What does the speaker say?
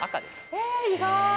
え意外。